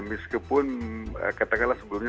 miske pun katakanlah sebelumnya